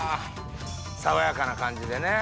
爽やかな感じでね。